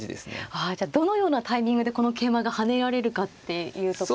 ああじゃあどのようなタイミングでこの桂馬が跳ねられるかっていうところなんですね。